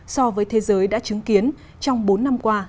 so với thế giới đã chứng kiến trong bốn năm qua